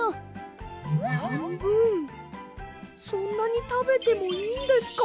はんぶんそんなにたべてもいいんですか？